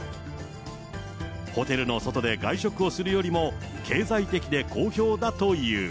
ホテルの外で外食をするよりも、経済的で好評だという。